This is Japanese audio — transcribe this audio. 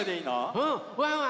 うんワンワン